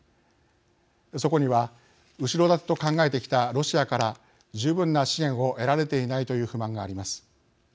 そこには、後ろ盾と考えてきたロシアから十分な支援を得られていないという不満があります。